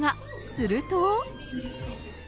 すると。